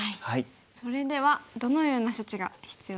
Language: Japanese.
それではどのような処置が必要ですか？